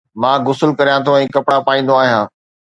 مان غسل ڪريان ٿو ۽ ڪپڙا پائيندو آهيان